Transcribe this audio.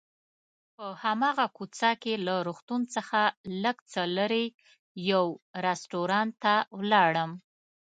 په هماغه کوڅه کې له روغتون څخه لږ څه لرې یو رستورانت ته ولاړم.